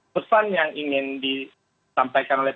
pesan yang ingin disampaikan oleh